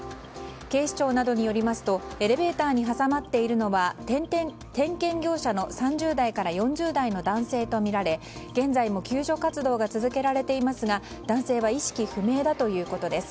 警視庁などによりますとエレベーターに挟まっているのは点検業者の３０代から４０代の男性とみられ現在も救助活動が続けられていますが男性は意識不明だということです。